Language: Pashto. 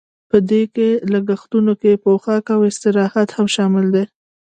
په دې لګښتونو کې پوښاک او استراحت هم شامل دي